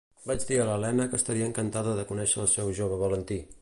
vaig dir a l’Elena que estaria encantada de conéixer el seu jove Valentí.